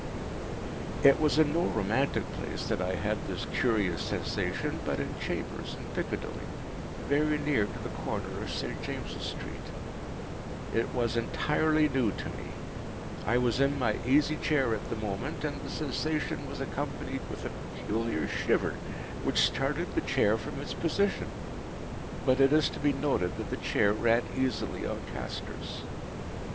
It was in no romantic place that I had this curious sensation, but in chambers in Piccadilly, very near to the corner of St. James’s Street. It was entirely new to me. I was in my easy chair at the moment, and the sensation was accompanied with a peculiar shiver which started the chair from its position. (But it is to be noted that the chair ran easily on castors.)